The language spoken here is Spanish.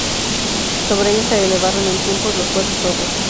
Sobre ellas se elevaron en tiempos las cuatro torres.